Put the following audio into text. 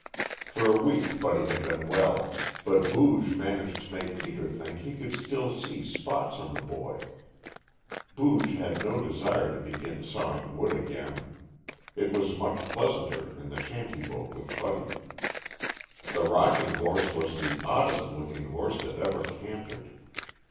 For a week Buddy had been well, but Booge managed to make Peter think he could still see spots on the boy. Booge had no desire to begin sawing wood again. It was much pleasanter in the shanty boat with Buddy. The rocking horse was the oddest looking horse that ever cantered.